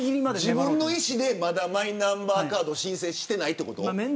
自分の意思でまだ、マイナンバーカード申請してないんですか。